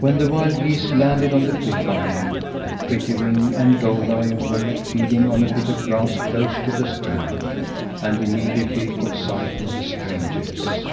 When the wild geese landed on the cliff island, Prettywing and Goldeye were feeding on a bit of grass close to the strand, and immediately caught sight of the strangers.